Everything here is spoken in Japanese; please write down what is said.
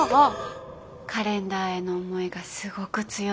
カレンダーへの思いがすごく強いみたいで。